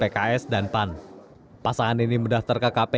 pasangan ini mendaftarkan diri sebagai calon gubernur dan wakil gubernur gorontalo